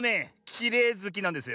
きれいずきなんですよ。